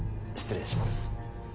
失礼します。